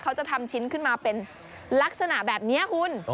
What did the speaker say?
เขาจะทำชิ้นขึ้นมาเป็นลักษณะแบบนี้คุณ